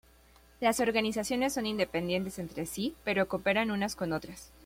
Las organizaciones son independientes entre sí, pero cooperan unas con otras.